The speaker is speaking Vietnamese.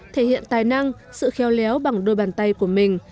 thể hiện tài năng sự khéo léo bằng đôi bàn tay của mình